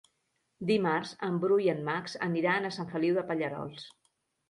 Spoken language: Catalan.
Dimarts en Bru i en Max aniran a Sant Feliu de Pallerols.